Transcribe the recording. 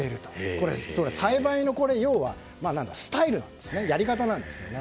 これは栽培のスタイルやり方なんですね。